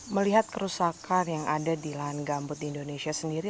melihat kerusakan yang ada di lahan gambut di indonesia sendiri